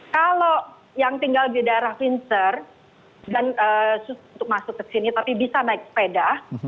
kalau yang tinggal di daerah windsor dan untuk masuk ke sini tapi bisa naik sepeda